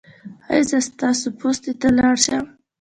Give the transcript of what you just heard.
ایا زه باید پوستې ته لاړ شم؟